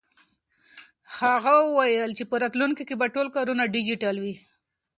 هغه وویل چې په راتلونکي کې به ټول کارونه ډیجیټل وي.